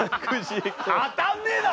当たんねえだろこれ！